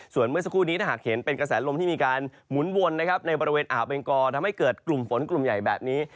ส่วนเมื่อสักครู่นี้ถ้าหากเห็นเป็นกระแสลมที่มีการหมุนวนนะครับในบริเวณอ่าวเบงกอทำให้เกิดกลุ่มฝนกลุ่มใหญ่แบบนี้